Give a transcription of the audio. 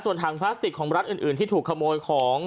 ส่วนถังพลาสติกของรัฐอื่นที่ถูกขโมยของ